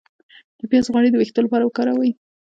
د پیاز غوړي د ویښتو لپاره وکاروئ